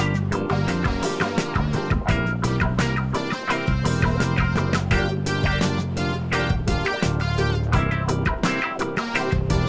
aku mau pergi